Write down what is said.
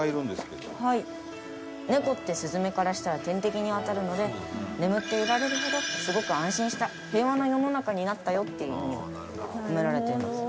猫って雀からしたら天敵にあたるので眠っていられるほどすごく安心した平和な世の中になったよっていう意味が込められているんです。